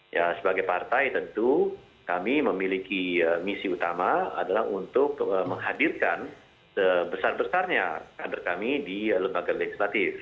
ya sebagai partai tentu kami memiliki misi utama adalah untuk menghadirkan sebesar besarnya kader kami di lembaga legislatif